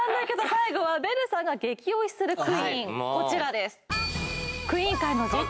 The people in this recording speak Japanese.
最後はベルさんが激推しするクイーンはいもうこちらですかっこいい！